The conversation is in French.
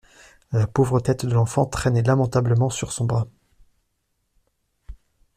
La pauvre tête de l'enfant traînait lamentablement sur son bras.